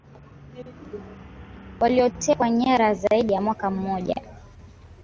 waliotekwa nyara zaidi ya mwaka mmoja